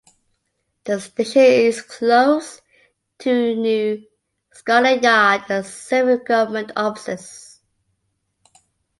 The station is close to New Scotland Yard and several government offices.